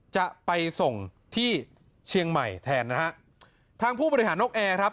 จะไปส่งที่เชียงใหม่แทนนะฮะทางผู้บริหารนกแอร์ครับ